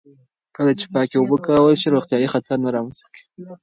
کله چې پاکې اوبه وکارول شي، روغتیايي خطر نه رامنځته کېږي.